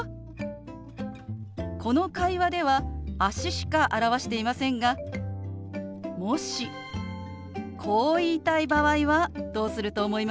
この会話では足しか表していませんがもしこう言いたい場合はどうすると思いますか？